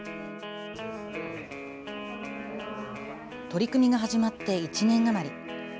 取り組みが始まって１年余り。